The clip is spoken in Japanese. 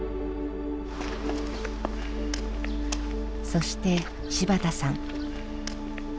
そして芝田さん。